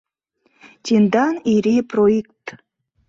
Тиндан ири проикт...